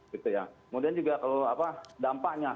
kemudian juga kalau dampaknya